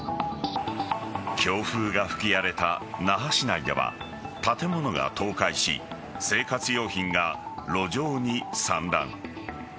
強風が吹き荒れた那覇市内では建物が倒壊し、生活用品が路上に散乱。